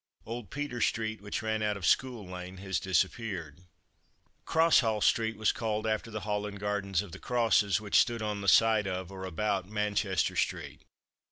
Old Peter street which ran out of School lane has disappeared. Crosshall street was called after the Hall and gardens of the Crosses which stood on the site of (or about) Manchester street.